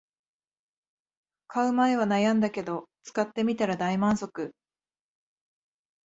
買う前は悩んだけど使ってみたら大満足